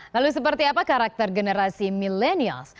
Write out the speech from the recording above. lalu seperti apa karakter generasi milenials